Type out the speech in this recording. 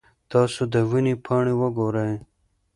تاسو د ونې پاڼې وګورئ.